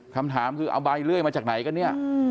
คำถามคือเอาใบเลื่อยมาจากไหนกันเนี่ย